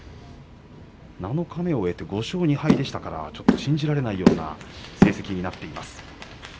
七日目を終えて５勝２敗でしたからちょっと信じられないような成績になっています。